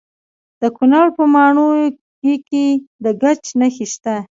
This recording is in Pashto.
د کونړ په ماڼوګي کې د ګچ نښې شته.